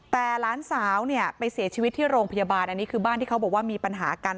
แต่หลานสาวเนี่ยไปเสียชีวิตที่โรงพยาบาลอันนี้คือบ้านที่เขาบอกว่ามีปัญหากัน